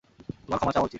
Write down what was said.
তোমার ক্ষমা চাওয়া উচিত!